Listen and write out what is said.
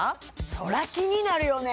そりゃ気になるよね